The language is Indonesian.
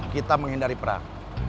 kita menghindari perang